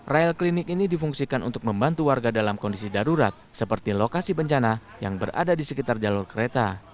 rel klinik ini difungsikan untuk membantu warga dalam kondisi darurat seperti lokasi bencana yang berada di sekitar jalur kereta